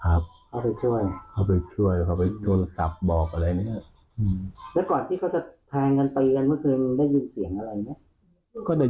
เขาไปช่วยเขาไปช่วยเขาไปโทรศัพท์บอกอะไรนี้แล้วก่อนที่